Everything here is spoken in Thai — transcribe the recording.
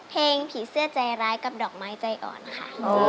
เพลงผีเสื้อใจร้ายกับดอกไม้ใจอ่อนค่ะ